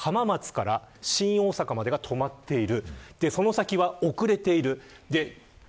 浜松から新大阪までが止まっている。